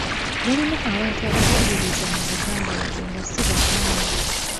Mulimu abantu abakkiririza mu Buganda wadde nga si baganda .